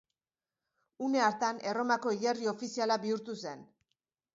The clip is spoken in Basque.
Une hartan Erromako hilerri ofiziala bihurtu zen.